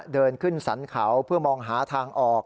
เดินขึ้นสรรเขาเพื่อมองหาทางออก